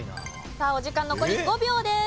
さあお時間残り５秒です。